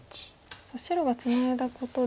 さあ白がツナいだことで。